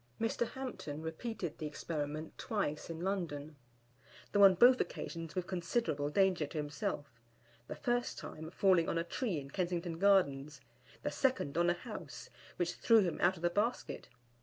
Mr. Hampton repeated the experiment twice in London, though on both occasions with considerable danger to himself, the first time falling on a tree in Kensington Gardens, the second on a house, which threw him out of the basket.